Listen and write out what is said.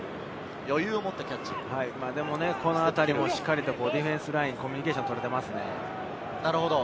でもこの辺り、しっかりとディフェンスライン、コミュニケーションが取れていますね。